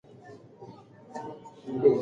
هغې په خپلو رڼو سترګو کې د یوې نوې نړۍ خوبونه لرل.